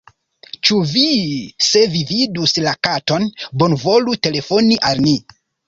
Ĉu vi... se vi vidus la katon, bonvolu telefoni al ni."